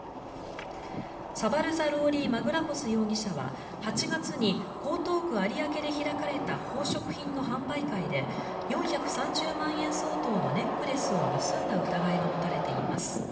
サバルザ・ローリー・マグラホス容疑者は８月に江東区有明で開かれた宝飾品の販売会で４３０万円相当のネックレスを盗んだ疑いが持たれています。